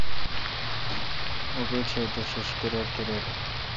اں پیٹش اے°بال کرِٹ کرِٹ این